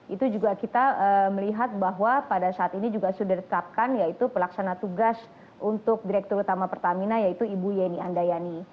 itu juga kita melihat bahwa pada saat ini juga sudah ditetapkan yaitu pelaksana tugas untuk direktur utama pertamina yaitu ibu yeni andayani